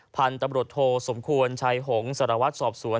พันธุ์ตำรวจโทสมควรชัยหงษ์สารวัตรสอบสวน